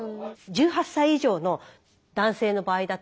１８歳以上の男性の場合だと。